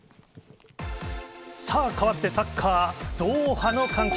さあ、かわってサッカー、ドーハの歓喜。